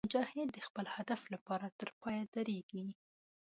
مجاهد د خپل هدف لپاره تر پایه درېږي.